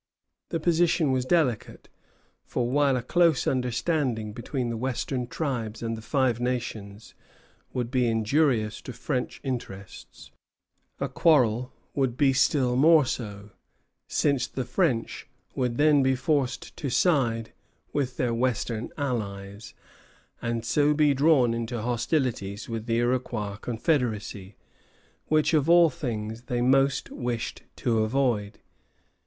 The position was delicate, for while a close understanding between the western tribes and the Five Nations would be injurious to French interests, a quarrel would be still more so, since the French would then be forced to side with their western allies, and so be drawn into hostilities with the Iroquois confederacy, which of all things they most wished to avoid.